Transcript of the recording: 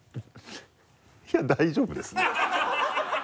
いや大丈夫ですね